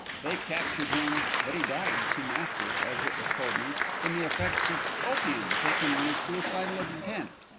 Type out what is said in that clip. They captured him but he died soon after, as it was told me, from the effects of opium taken with suicidal intent.